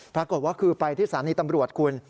ปรากฏว่าคือไปที่สถานีตำรวจคุณ